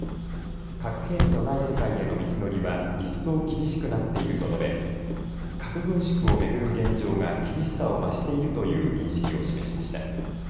核兵器のない世界への道のりは一層厳しくなっていると述べ核軍縮を巡る現状が厳しさを増しているという認識を示しました。